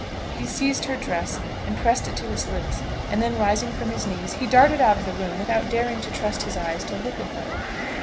He seized her dress and pressed it to his lips; and, then rising from his knees, he darted out of the room, without daring to trust his eyes to look at her.